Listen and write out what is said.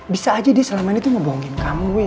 bisa aja dia selama ini tuh ngebohongin kamu wi